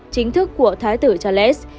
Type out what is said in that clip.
chính thức của thái tử charles